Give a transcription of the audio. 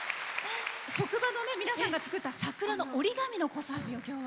職場の皆さんが作った桜の折り紙のコサージュを今日は。